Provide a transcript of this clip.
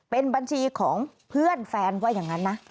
เป็นบัญชีของเพื่อนแฟนว่าอย่างนั้นนะ